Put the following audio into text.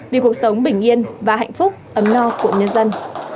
vì cuộc sống bình yên và hạnh phúc ấm no của nhân dân